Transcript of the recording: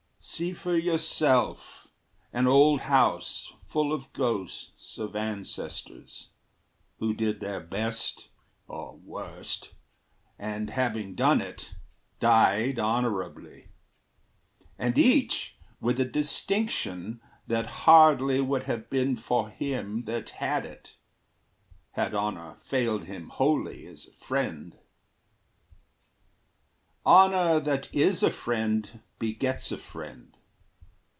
See for yourself An old house full of ghosts of ancestors, Who did their best, or worst, and having done it, Died honorably; and each with a distinction That hardly would have been for him that had it, Had honor failed him wholly as a friend. Honor that is a friend begets a friend.